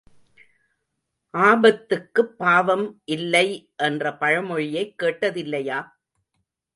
ஆபத்துக்குப்பாவம் இல்லை என்ற பழமொழியைக் கேட்டதில்லையா?